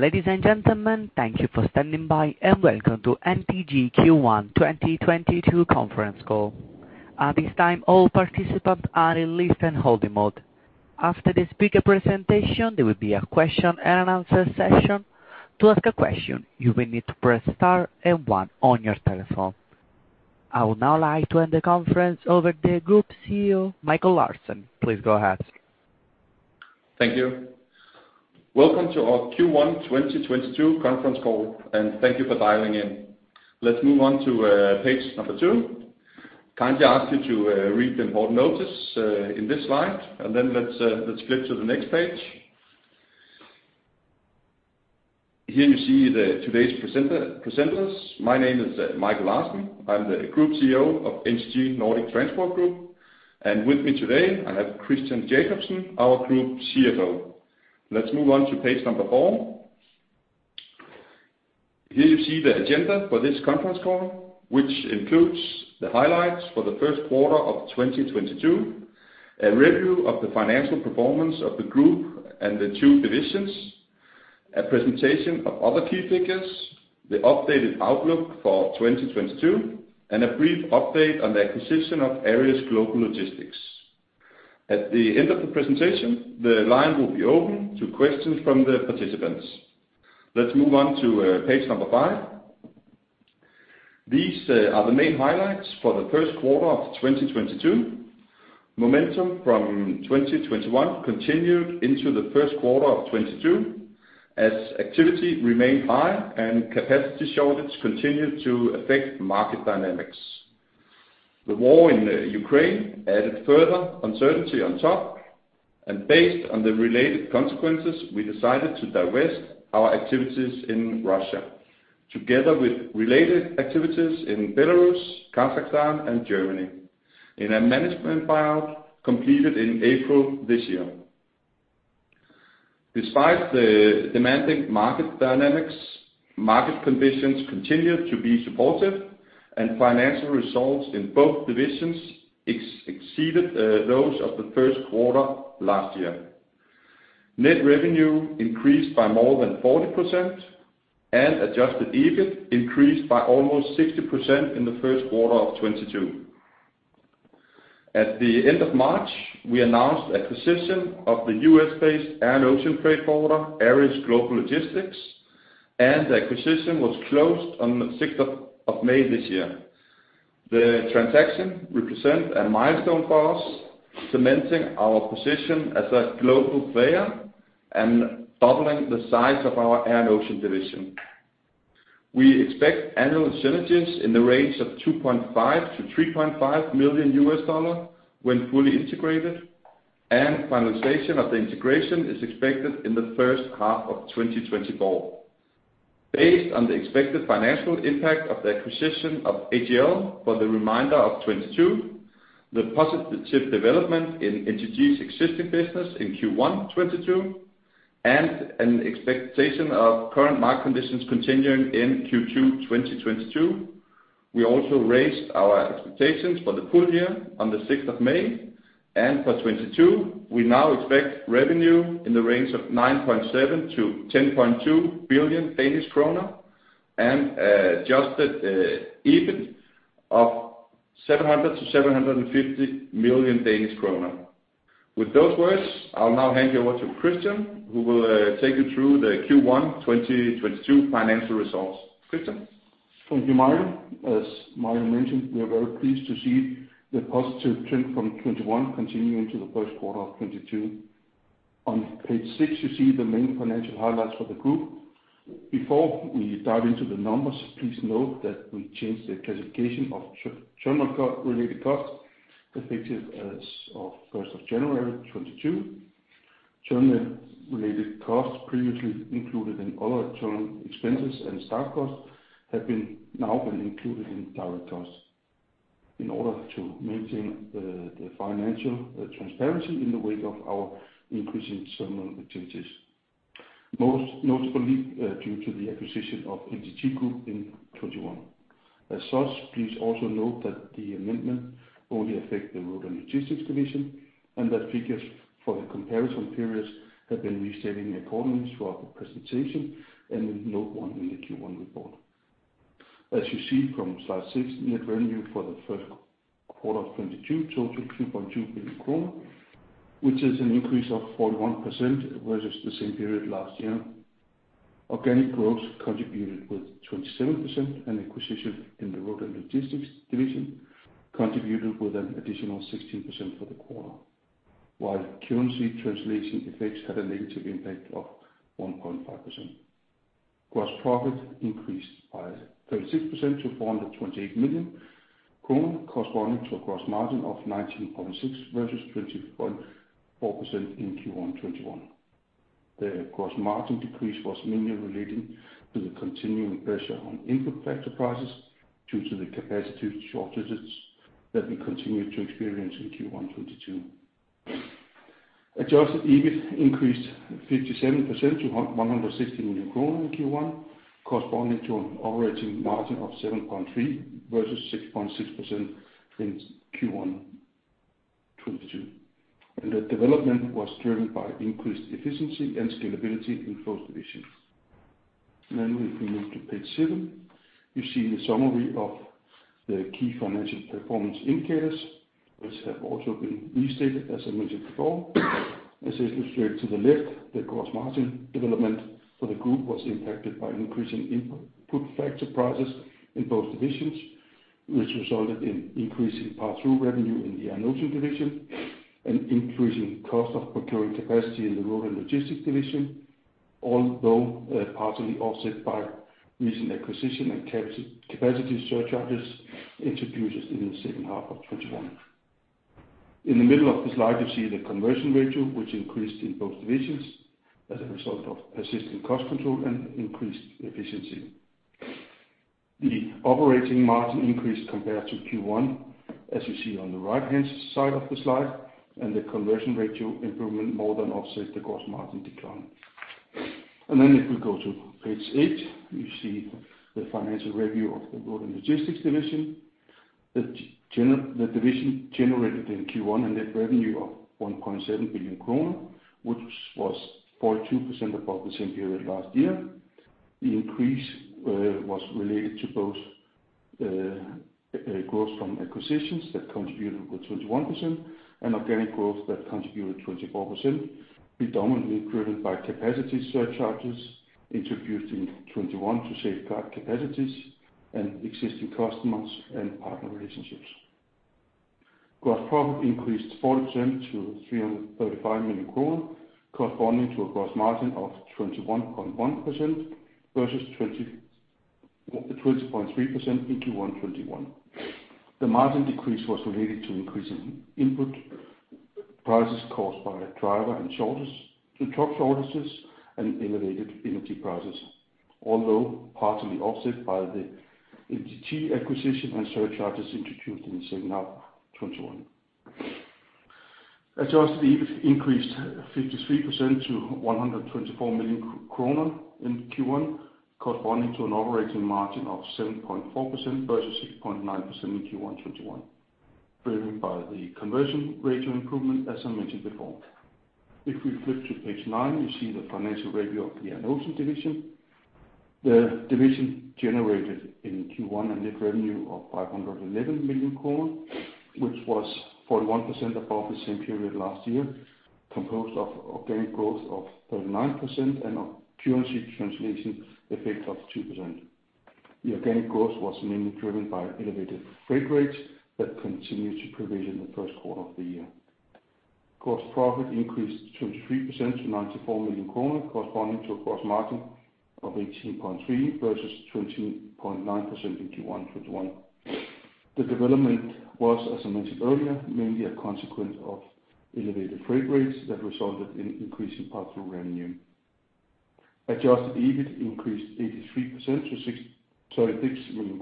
Ladies and gentlemen, thank you for standing by, and welcome to NTG Q1 2022 conference call. At this time, all participants are in listen only mode. After the speaker presentation, there will be a question and answer session. To ask a question, you will need to press star and one on your telephone. I would now like to hand the conference over to Group CEO, Michael Larsen. Please go ahead. Thank you. Welcome to our Q1 2022 conference call, and thank you for dialing in. Let's move on to page number two. Kindly ask you to read the important notice in this slide, and then let's flip to the next page. Here you see today's presenters. My name is Michael Larsen. I'm the Group CEO of NTG Nordic Transport Group, and with me today, I have Christian Jakobsen, our Group CFO. Let's move on to page number four. Here you see the agenda for this conference call, which includes the highlights for the first quarter of 2022, a review of the financial performance of the group and the two divisions, a presentation of other key figures, the updated outlook for 2022, and a brief update on the acquisition of Aries Global Logistics. At the end of the presentation, the line will be open to questions from the participants. Let's move on to page number five. These are the main highlights for the first quarter of 2022. Momentum from 2021 continued into the first quarter of 2022 as activity remained high and capacity shortage continued to affect market dynamics. The war in Ukraine added further uncertainty on top, and based on the related consequences, we decided to divest our activities in Russia, together with related activities in Belarus, Kazakhstan, and Germany in a management buyout completed in April this year. Despite the demanding market dynamics, market conditions continued to be supportive and financial results in both divisions exceeded those of the first quarter last year. Net revenue increased by more than 40%, and adjusted EBIT increased by almost 60% in the first quarter of 2022. At the end of March, we announced acquisition of the U.S.-based air and ocean freight forwarder, Aries Global Logistics, and the acquisition was closed on the 6th of May this year. The transaction represents a milestone for us, cementing our position as a global player and doubling the size of our air and ocean division. We expect annual synergies in the range of $2.5 million-$3.5 million when fully integrated, and finalization of the integration is expected in the first half of 2024. Based on the expected financial impact of the acquisition of AGL for the remainder of 2022, the positive development in NTG's existing business in Q1 2022 and an expectation of current market conditions continuing in Q2 2022. We also raised our expectations for the full year on the 6th of May, and for 2022, we now expect revenue in the range of 9.7 billion-10.2 billion Danish krone and adjusted EBIT of 700 million-750 million Danish krone. With those words, I'll now hand you over to Christian, who will take you through the Q1 2022 financial results. Christian. Thank you, Michael. As Michael mentioned, we are very pleased to see the positive trend from 2021 continuing to the first quarter of 2022. On page six, you see the main financial highlights for the group. Before we dive into the numbers, please note that we changed the classification of channel-related costs, effective as of 1st of January 2022. Channel-related costs previously included in other channel expenses and staff costs have now been included in direct costs in order to maintain the financial transparency in the wake of our increasing channel activities, most notably due to the acquisition of NTG Group in 2021. As such, please also note that the amendment only affect the Road & Logistics division and that figures for the comparison periods have been restated accordingly throughout the presentation and note one in the Q1 report. As you see from slide six, net revenue for the first quarter of 2022 totaled 2.2 billion krone, which is an increase of 41% versus the same period last year. Organic growth contributed with 27%, and acquisition in the Road & Logistics division contributed with an additional 16% for the quarter, while currency translation effects had a negative impact of 1.5%. Gross profit increased by 36% to 428 million corresponding to a gross margin of 19.6% versus 20.4% in Q1 2021. The gross margin decrease was mainly relating to the continuing pressure on input factor prices due to the capacity shortages that we continued to experience in Q1 2022. Adjusted EBIT increased 57% to 160 million kroner in Q1, corresponding to an operating margin of 7.3% versus 6.6% in Q1 2022. The development was driven by increased efficiency and scalability in both divisions. Then if we move to page seven, you see the summary of the key financial performance indicators, which have also been restated, as I mentioned before. As illustrated to the left, the gross margin development for the group was impacted by increasing input factor prices in both divisions, which resulted in increasing passthrough revenue in the Air & Ocean division and increasing cost of procuring capacity in the Road & Logistics division, although partially offset by recent acquisition and capacity surcharges introduced in the second half of 2021. In the middle of the slide, you see the conversion ratio, which increased in both divisions as a result of persistent cost control and increased efficiency. The operating margin increased compared to Q1, as you see on the right-hand side of the slide, and the conversion ratio improvement more than offsets the gross margin decline. If we go to page eight, you see the financial review of the Road & Logistics division. The division generated in Q1 a net revenue of 1.7 billion kroner, which was 4.2% above the same period last year. The increase was related to both growth from acquisitions that contributed with 21% and organic growth that contributed 24%, predominantly driven by capacity surcharges introduced in 2021 to safeguard capacities and existing customers and partner relationships. Gross profit increased 40% to 335 million kroner, corresponding to a gross margin of 21.1% versus 20.3% in Q1 2021. The margin decrease was related to increasing input prices caused by driver and truck shortages and elevated energy prices, although partly offset by the NTG acquisition and surcharges introduced in the second half of 2021. Adjusted EBIT increased 53% to 124 million kroner in Q1, corresponding to an operating margin of 7.4% versus 6.9% in Q1 2021, driven by the conversion ratio improvement, as I mentioned before. If we flip to page nine, we see the financial review of the Air & Ocean division. The division generated in Q1 a net revenue of 511 million kroner, which was 41% above the same period last year, composed of organic growth of 39% and a currency translation effect of 2%. The organic growth was mainly driven by elevated freight rates that continued to prevail in the first quarter of the year. Gross profit increased 23% to 94 million kroner, corresponding to a gross margin of 18.3% versus 20.9% in Q1 2021. The development was, as I mentioned earlier, mainly a consequence of elevated freight rates that resulted in increasing passthrough revenue. Adjusted EBIT increased 83% to 36 million,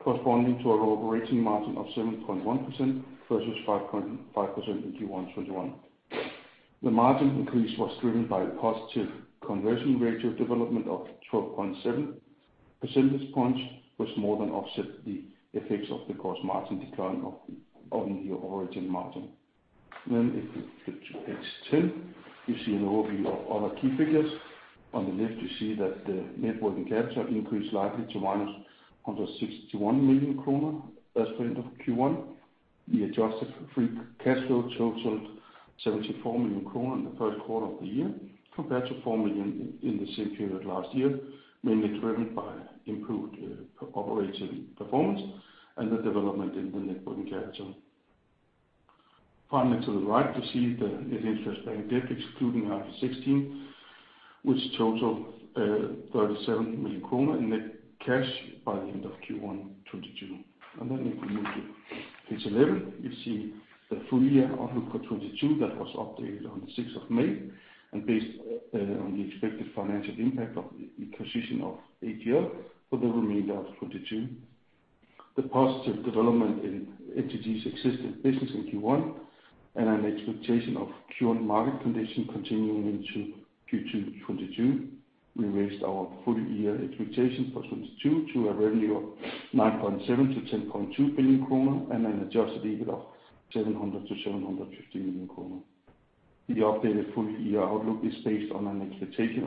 corresponding to an operating margin of 7.1% versus 5.5% in Q1 2021. The margin increase was driven by a positive conversion ratio development of 12.7 percentage points, which more than offset the effects of the gross margin decline on the operating margin. If we flip to page 10, you see an overview of other key figures. On the left, you see that the net working capital increased slightly to -161 million kroner as of end of Q1. The adjusted free cash flow totaled 74 million kroner in the first quarter of the year compared to 4 million in the same period last year, mainly driven by improved operating performance and the development in the net working capital. Finally, to the right, you see the net interest-bearing debt, excluding IFRS 16, which totaled 37 million kroner in net cash by the end of Q1 2022. If we move to page 11, you see the full-year outlook for 2022 that was updated on the 6th of May and based on the expected financial impact of the acquisition of AGL for the remainder of 2022. The positive development in NTG's existing business in Q1 and an expectation of current market condition continuing into Q2 2022, we raised our full-year expectations for 2022 to a revenue of 9.7 billion-10.2 billion kroner and an adjusted EBIT of 700 million-750 million kroner. The updated full-year outlook is based on an expectation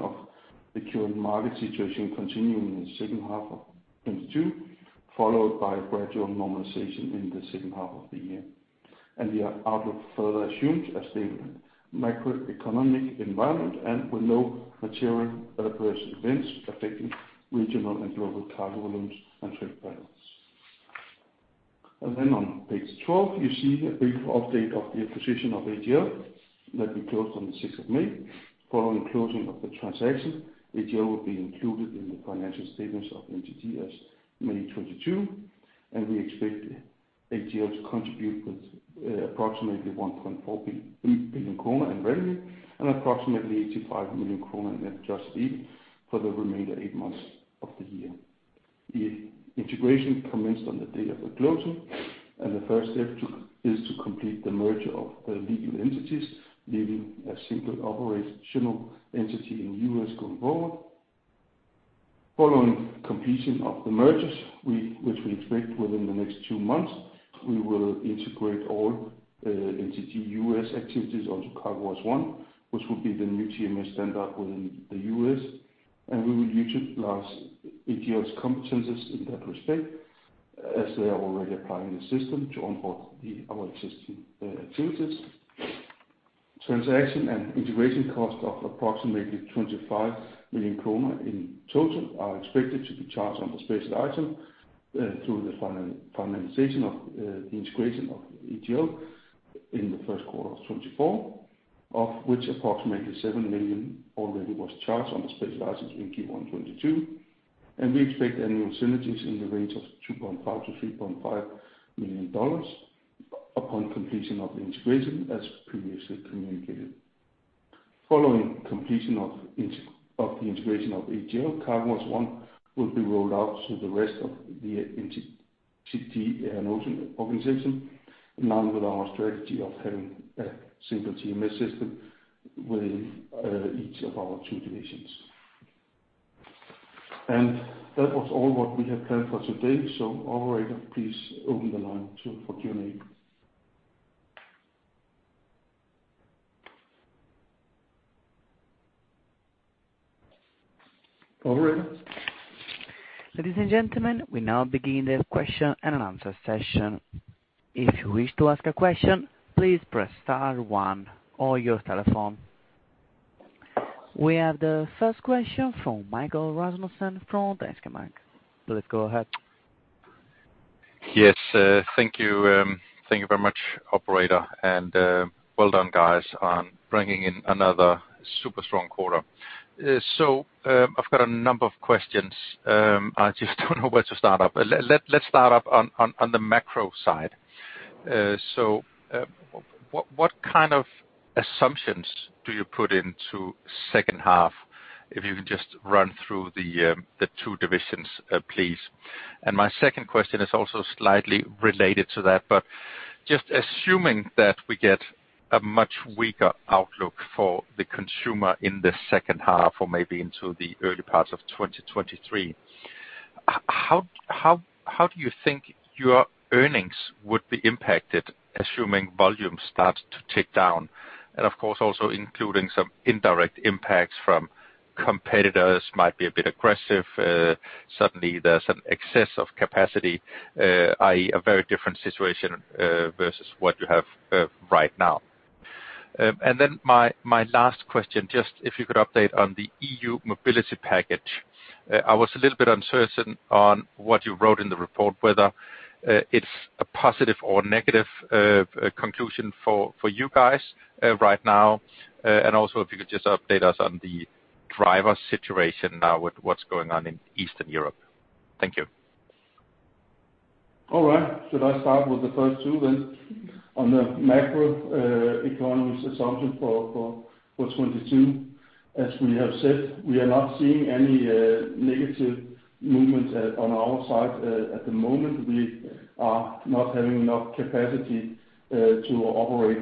of the current market situation continuing in the second half of 2022, followed by a gradual normalization in the second half of the year. The outlook further assumes a stable macroeconomic environment and with no material adverse events affecting regional and global cargo volumes and trade patterns. On page 12, you see a brief update of the acquisition of AGL that we closed on the 6th of May. Following closing of the transaction, AGL will be included in the financial statements of NTG as of May 2022, and we expect AGL to contribute with approximately 1.4 billion kroner in revenue and approximately 85 million kroner in adjusted EBIT for the remainder eight months of the year. The integration commenced on the day of the closing, and the first step is to complete the merger of the legal entities, leaving a single operational entity in the U.S. going forward. Following completion of the mergers, which we expect within the next two months, we will integrate all NTG U.S. activities onto CargoWise One, which will be the new TMS standard within the U.S., and we will utilize AGL's competencies in that respect as they are already applying the system to onboard our existing activities. Transaction and integration cost of approximately 25 million kroner in total are expected to be charged on the special items through the finalization of the integration of AGL in the first quarter of 2024, of which approximately 7 million already was charged on the special items in Q1 2022. We expect annual synergies in the range of $2.5 million-$3.5 million upon completion of the integration, as previously communicated. Following completion of the integration of AGL, CargoWise One will be rolled out to the rest of the NTG Air & Ocean organization in line with our strategy of having a single TMS system within each of our two divisions. That was all what we had planned for today. Operator, please open the line for Q&A. Operator? Ladies and gentlemen, we now begin the question and answer session. If you wish to ask a question, please press star one on your telephone. We have the first question from Michael Vitfell-Rasmussen from Danske Bank. Please go ahead. Yes, thank you very much, operator. Well done, guys, on bringing in another super strong quarter. I've got a number of questions. I just don't know where to start up. Let's start up on the macro side. What kind of assumptions do you put into second half, if you can just run through the two divisions, please? My second question is also slightly related to that, but just assuming that we get a much weaker outlook for the consumer in the second half or maybe into the early parts of 2023, how do you think your earnings would be impacted, assuming volume starts to tick down? Of course, also including some indirect impacts from competitors, might be a bit aggressive, suddenly there's an excess of capacity, i.e., a very different situation, versus what you have right now. Then my last question, just if you could update on the EU Mobility Package. I was a little bit uncertain on what you wrote in the report, whether it's a positive or negative conclusion for you guys right now. Also if you could just update us on the driver situation now with what's going on in Eastern Europe. Thank you. All right. Should I start with the first two then? On the macroeconomics assumption for 2022, as we have said, we are not seeing any negative movement on our side. At the moment, we are not having enough capacity to operate.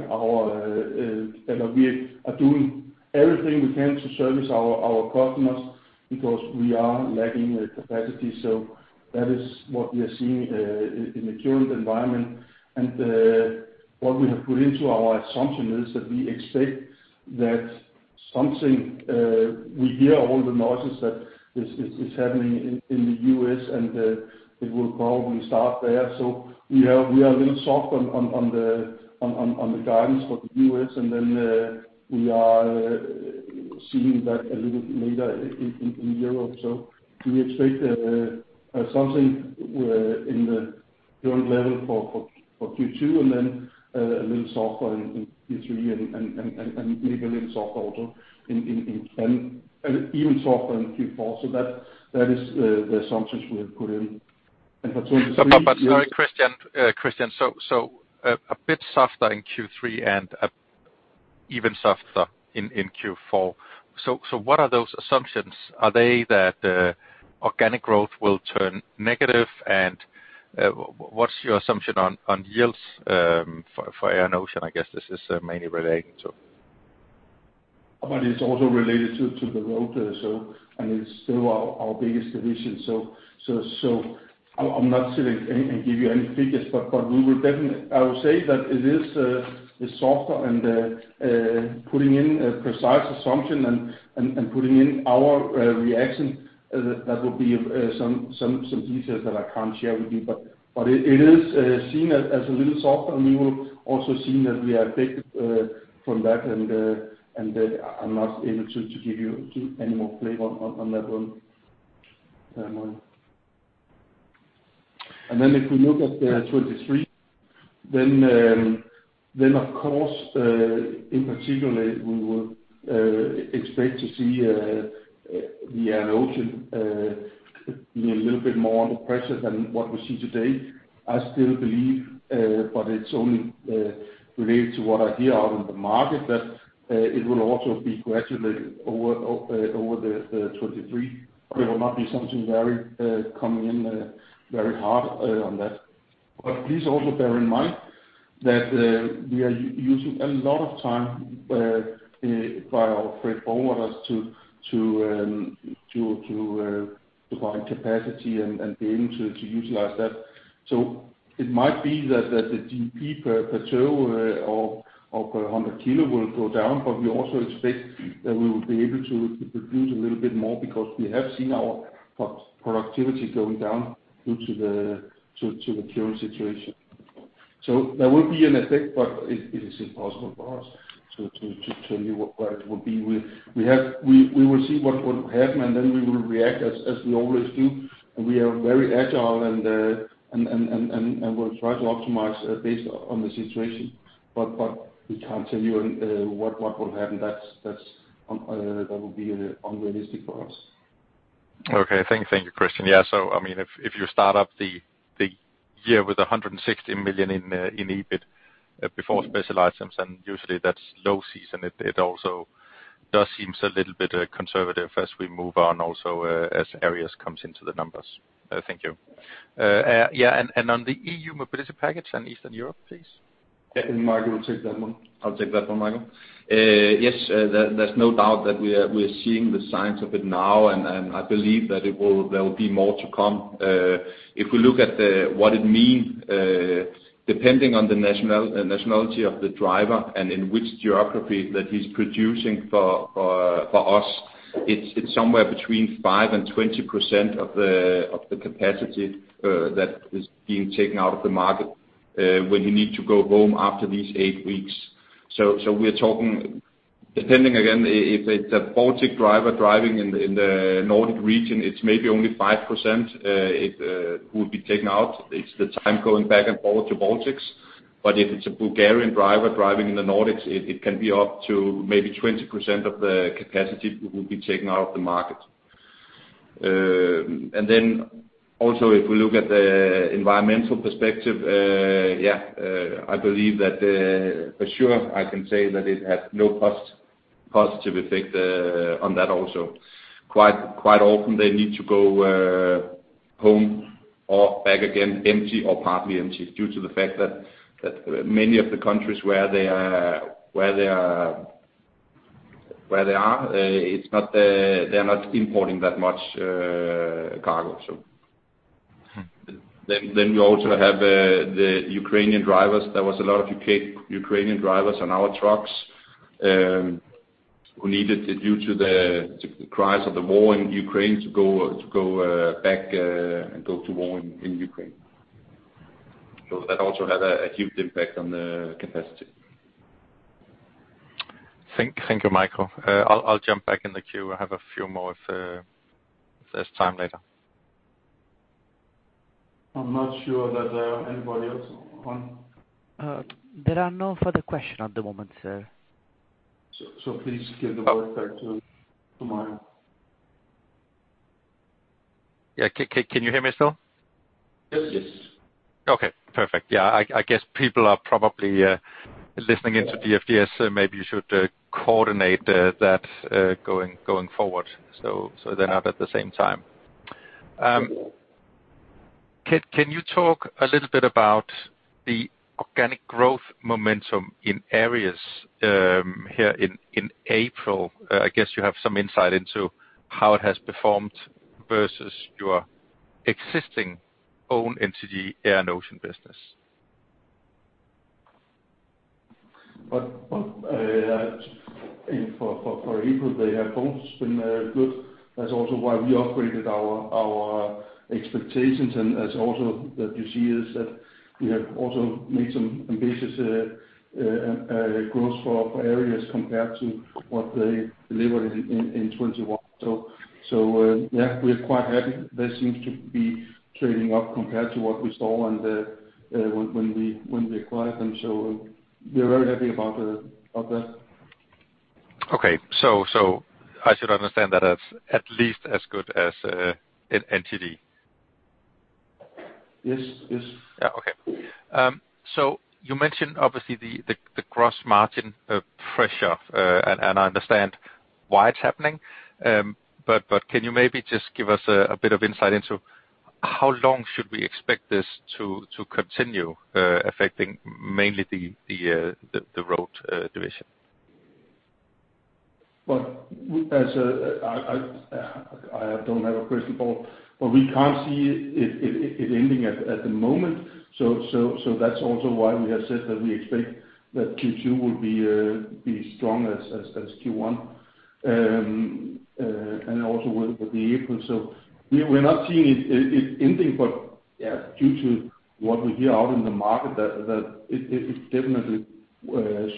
We are doing everything we can to service our customers because we are lacking the capacity. That is what we are seeing in the current environment. What we have put into our assumption is that we expect that something we hear all the noises that is happening in the U.S., and it will probably start there. We are a little soft on the guidance for the U.S., and then we are seeing that a little later in Europe. We expect something in the current level for Q2, and then a little softer in Q3 and maybe a little softer also, and even softer in Q4. That is the assumptions we have put in. For 2023- Sorry, Christian. Christian, a bit softer in Q3 and even softer in Q4. What are those assumptions? Are they that organic growth will turn negative? What's your assumption on yields for Air & Ocean? I guess this is mainly relating to? It's also related to the road, and it's still our biggest division. I'm not sitting and give you any figures, but we will definitely. I will say that it is softer and putting in a precise assumption and putting in our reaction that would be some details that I can't share with you. It is seen as a little soft, and we will also see that we are affected from that. I'm not able to give you any more flavor on that one. If we look at the 2023, then of course, in particular, we will expect to see the Air & Ocean being a little bit more under pressure than what we see today. I still believe but it's only related to what I hear out in the market that it will also be gradual over the 2023. It will not be something very coming in very hard on that. Please also bear in mind that we are using a lot of time by our freight forwarders to find capacity and to utilize that. It might be that the GP per tour or per hundred kilo will go down, but we also expect that we will be able to produce a little bit more because we have seen our productivity going down due to the current situation. There will be an effect, but it is impossible for us to tell you what it will be. We will see what will happen, and then we will react as we always do. We are very agile and will try to optimize based on the situation. But we can't tell you what will happen. That would be unrealistic for us. Okay. Thank you, Christian. Yeah, I mean, if you start up the year with 160 million in EBIT before special items, and usually that's low season, it also does seem a little bit conservative as we move on also as Aries comes into the numbers. Thank you. Yeah, on the EU Mobility Package and Eastern Europe, please. Yeah. Michael will take that one. I'll take that one, Michael. Yes, there's no doubt that we are seeing the signs of it now, and I believe that it will. There will be more to come. If we look at what it means, depending on the nationality of the driver and in which geography that he's producing for us, it's somewhere between 5%-20% of the capacity that is being taken out of the market when he needs to go home after these eight weeks. We're talking, depending again, if it's a Baltic driver driving in the Nordic region, it's maybe only 5%, it will be taken out. It's the time going back and forth to Baltics. If it's a Bulgarian driver driving in the Nordics, it can be up to maybe 20% of the capacity we'll be taking out of the market. If we look at the environmental perspective, I believe that for sure I can say that it has no cost positive effect on that also. Quite often they need to go home or back again empty or partly empty due to the fact that many of the countries where they are not importing that much cargo. Mm-hmm. We also have the Ukrainian drivers. There was a lot of Ukrainian drivers on our trucks, who needed to, due to the crisis of the war in Ukraine, to go back and go to war in Ukraine. That also had a huge impact on the capacity. Thank you, Michael. I'll jump back in the queue. I have a few more if there's time later. I'm not sure that there are anybody else on. There are no further questions at the moment, sir. Please give the word back to Michael. Yeah. Can you hear me still? Yes. Yes. Okay. Perfect. Yeah. I guess people are probably listening into DFDS, so maybe you should coordinate that going forward so they're not at the same time. Can you talk a little bit about the organic growth momentum in Aries here in April? I guess you have some insight into how it has performed versus your existing own entity, Air & Ocean business. For April, they have both been good. That's also why we upgraded our expectations. As also that you see is that we have also made some ambitious growth for Aries compared to what they delivered in 2021. Yeah, we're quite happy. They seems to be trading up compared to what we saw on the when we acquired them. We're very happy about that. Okay. I should understand that as at least as good as an entity. Yes. Yes. Yeah. Okay. You mentioned obviously the gross margin pressure, and I understand why it's happening. Can you maybe just give us a bit of insight into how long should we expect this to continue affecting mainly the road division? Well, I don't have a crystal ball, but we can't see it ending at the moment. That's also why we have said that we expect that Q2 will be strong as Q1. And also with the April. We're not seeing it ending. Yeah, due to what we hear out in the market that it definitely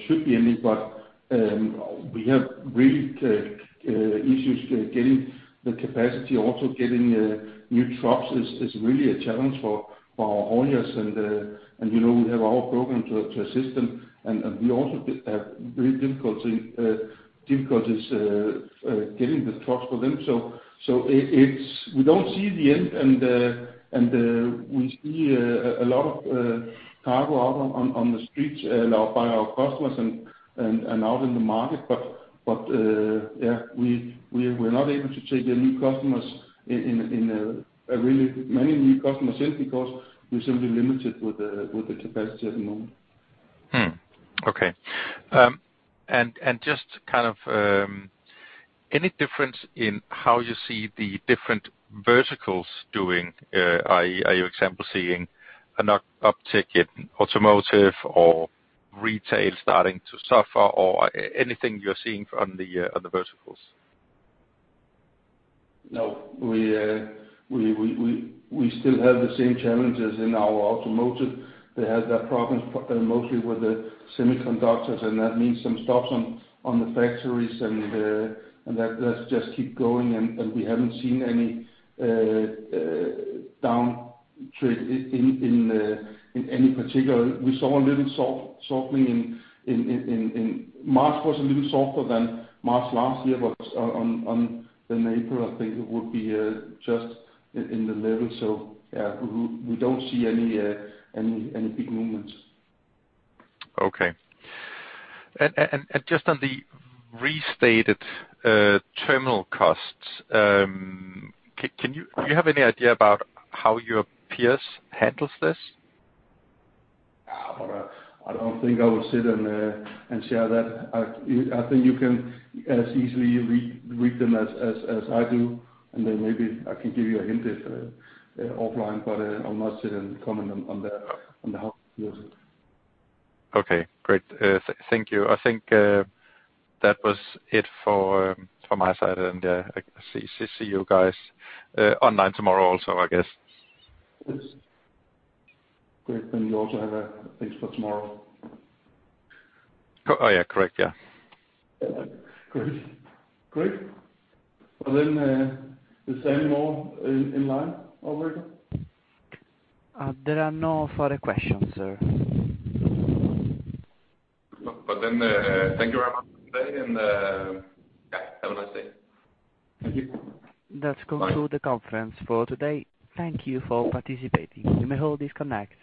should be ending. We have really issues getting the capacity. Also getting new trucks is really a challenge for our owners. You know, we have our program to assist them. And we also have really difficulties getting the trucks for them. It's- we don't see the end and we see a lot of cargo out on the streets by our customers and out in the market. Yeah, we're not able to take the new customers in a really many new customers in because we're simply limited with the capacity at the moment. Okay. Just kind of any difference in how you see the different verticals doing? For example, are you seeing an uptick in automotive or retail starting to suffer or anything you're seeing from the other verticals? No. We still have the same challenges in our automotive. They had those problems mostly with the semiconductors, and that means some stops on the factories. That does just keep going and we haven't seen any downtrend in any particular. We saw a little softening. March was a little softer than March last year, but in April, I think it would be just in the level. Yeah, we don't see any big movements. Okay. Just on the restated terminal costs, do you have any idea about how your peers handles this? I don't think I would sit and share that. I think you can as easily read them as I do, and then maybe I can give you a hint if offline, but I'll not sit and comment on the how peers it. Okay, great. Thank you. I think that was it for my side and yeah, see you guys online tomorrow also, I guess. Yes. Great. You also have a things for tomorrow. Oh, yeah. Correct. Yeah. Great. Well, the same more in-line operator? There are no further questions, sir. Thank you very much today and, yeah, have a nice day. That concludes the conference for today. Thank you for participating. You may all disconnect.